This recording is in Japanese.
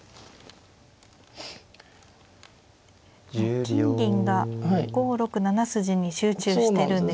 金銀が５６７筋に集中してるんですね。